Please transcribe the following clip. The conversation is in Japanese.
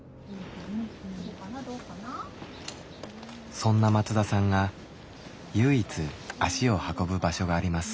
そんな松田さんが唯一足を運ぶ場所があります。